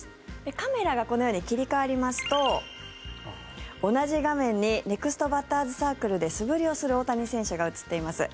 カメラがこのように切り替わりますと同じ画面にネクストバッターズサークルで素振りをする大谷選手が映っています。